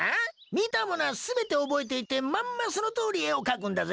見たものは全て覚えていてまんまそのとおり絵を描くんだぜ？